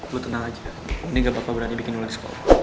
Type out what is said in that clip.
gue tenang aja ini gak apa apa berani bikin ular skor